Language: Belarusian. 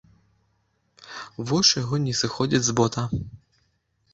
Вочы яго не сыходзяць з бота.